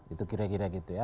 itu kira kira gitu ya